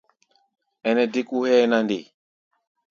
Ɛnɛ dé kó hʼɛ́ɛ́ na nde?